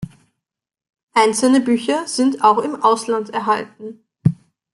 Einzelne Bücher sind auch im Ausland erhalten.